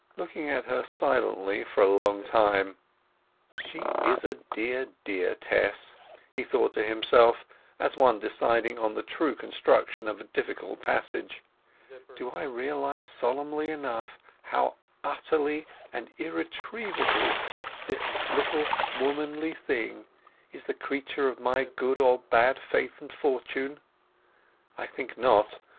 Looking at her silently for a long time; "She is a dear dear Tess," he thought to himself, as one deciding on the true construction of a difficult passage. "Do I realize solemnly enough how utterly and irretrievably this little womanly thing is the creature of my good or bad faith and fortune? I think not.